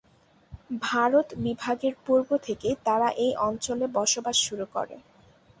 ভারত বিভাগের পুর্ব থেকেই তারা এই অঞ্চলে বসবাস শুরু করে।